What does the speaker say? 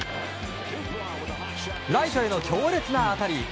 ライトへの強烈な当たり！